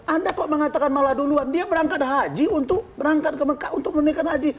anda kok mengatakan malah duluan dia berangkat haji untuk berangkat ke mekah untuk menunaikan haji